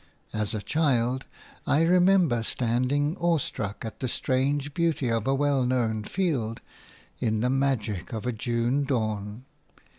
As a child, I remember standing awe stricken at the strange beauty of a well known field in the magic of a June dawn.